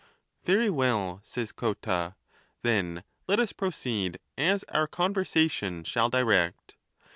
II. Very well, says Cotta; then let us proceed as our conversation shall direct.